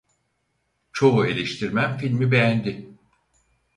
Çoğu eleştirmen filmi beğendi.